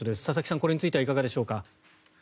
佐々木さん、これについてはいかがでしょうか。